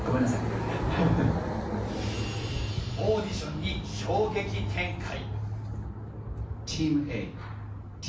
オーディションに衝撃展開。